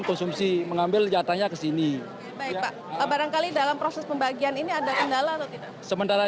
konsumsi mengambil jatahnya kesini barangkali dalam proses pembagian ini ada kendala sementara